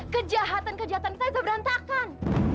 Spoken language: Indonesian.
kejahatan kejahatan kita itu berantakan